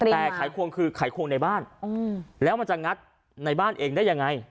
แต่ไขควงคือไขควงในบ้านแล้วมันจะงัดในบ้านเองได้ยังไง